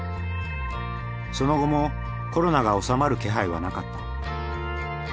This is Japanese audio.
その後もコロナがおさまる気配はなかった。